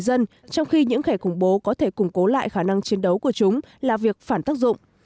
dân trong khi những kẻ khủng bố có thể củng cố lại khả năng chiến đấu của chúng là việc phản tác dụng